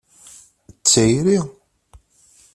D tayri?